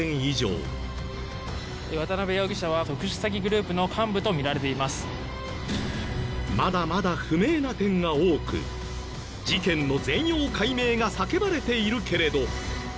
４人が関わったと見られるまだまだ不明な点が多く事件の全容解明が叫ばれているけれど。